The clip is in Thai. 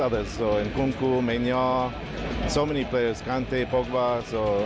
ดังนั้นมันยังมีเพื่อนเดียวกัน